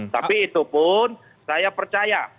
tapi itu pun saya percaya